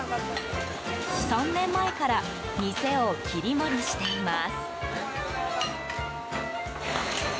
３年前から店を切り盛りしています。